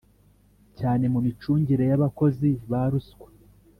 cyane mu micungire y’abakozi. ba ruswa